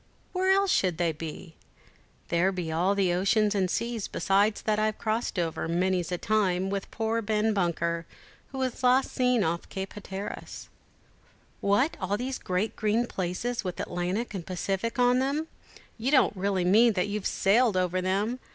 where else should they be? There be all the oceans and seas besides that I've crossed over, many's the time, with poor Ben Bunker, who was last seen off Cape Hatteras." "What, all these great green places, with Atlantic and Pacific on them; you don't really mean that you've sailed over them!